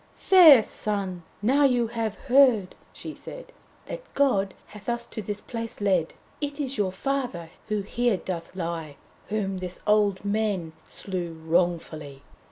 'Fair son, you now have heard,' she said, 'That God hath us to this place led. It is your father who here doth lie, Whom this old man slew wrongfully.'